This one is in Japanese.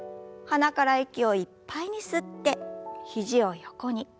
鼻から息をいっぱいに吸って肘を横に。